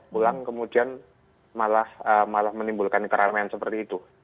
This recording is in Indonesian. pulang kemudian malah menimbulkan keramaian seperti itu